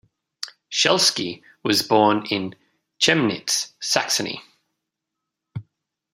Schelsky was born in Chemnitz, Saxony.